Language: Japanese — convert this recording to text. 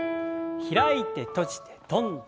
開いて閉じて跳んで。